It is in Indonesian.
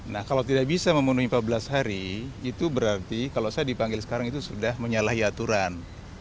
nah kalau tidak bisa memenuhi empat belas hari itu berarti kalau saya dipanggil sekarang itu sudah menyalahi aturan